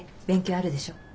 勉強あるでしょ？